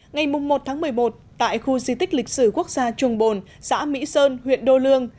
ngày một một mươi một tại khu di tích lịch sử quốc gia trùng bồn xã mỹ sơn huyện đô lương